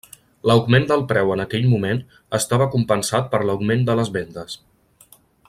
L'augment del preu en aquell moment estava compensat per l'augment de les vendes.